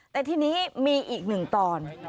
แต่ทีนี้มีอีกหนึ่งตอน